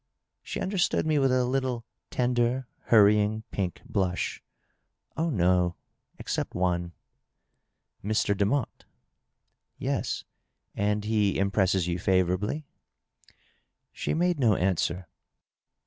She understood me with a little tender, hurrying, pink blush. " Oh, no. Exc^t one." " Mr. Demotte." "Yes." " And he impresses you favorably ?" She made me no answer.